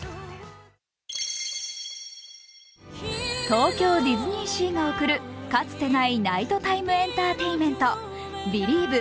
東京ディズニーシーが贈るかつてないナイトタイムエンターテインメント、「ビリーヴ！